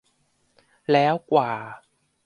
แล้วกว่า